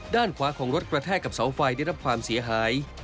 ด้านขวาของรถกระแทกกับเสาไฟได้รับความเสียหาย